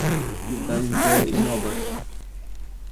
He dies there in August.